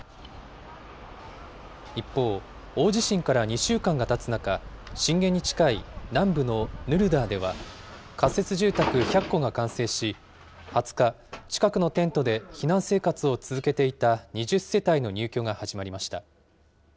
一方、大地震から２週間がたつ中、震源に近い南部のヌルダーでは、仮設住宅１００戸が完成し、２０日、近くのテントで避難生活を続けていた２０世帯の入居が始まりました。